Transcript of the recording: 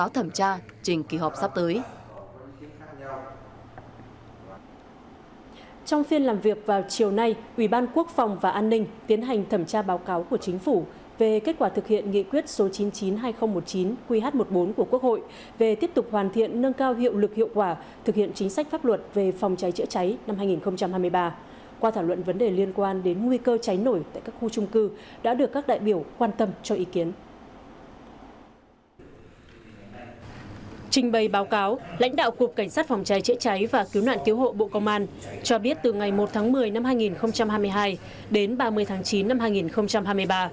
trình bày báo cáo lãnh đạo cục cảnh sát phòng cháy chế cháy và cứu nạn cứu hộ bộ công an cho biết từ ngày một tháng một mươi năm hai nghìn hai mươi hai đến ba mươi tháng chín năm hai nghìn hai mươi ba